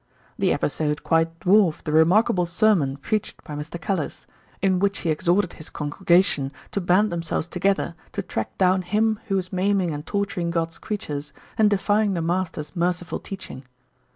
The episode quite dwarfed the remarkable sermon preached by Mr. Callice, in which he exhorted his congregation to band themselves together to track down him who was maiming and torturing God's creatures, and defying the Master's merciful teaching.